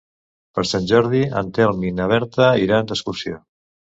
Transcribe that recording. Per Sant Jordi en Telm i na Berta iran d'excursió.